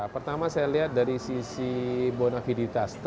pertama saya lihat dari sisi bonaviditas